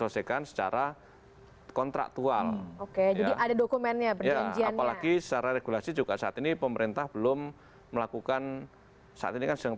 menjana apalagi secara regulasi juga saat ini pemerintah belum melakukan saat ini kan sedang